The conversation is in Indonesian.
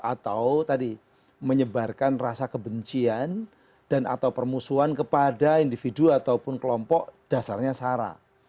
atau tadi menyebarkan rasa kebencian dan atau permusuhan kepada individu ataupun kelompok dasarnya sarah